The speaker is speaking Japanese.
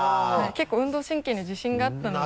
結構運動神経に自信があったので。